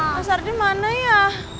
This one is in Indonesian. mas ardi kemana ya